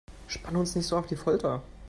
Spanne uns nicht so auf die Folter!